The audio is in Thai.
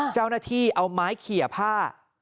เจ้าหน้าที่เอาไม้เขียผ้า